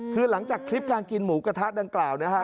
คือหลังจากคลิปการกินหมูกระทะดังกล่าวนะฮะ